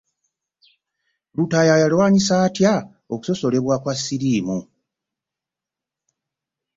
Lutaaya yalwanyisa atya okusosolebwa kwa siriimu .